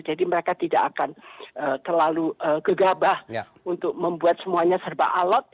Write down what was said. jadi mereka tidak akan terlalu gegabah untuk membuat semuanya serba alat